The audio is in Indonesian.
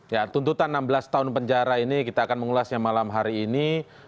ya tuntutan enam belas tahun penjara ini kita akan mengulasnya malam hari ini